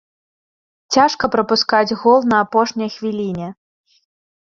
Цяжка прапускаць гол на апошняй хвіліне.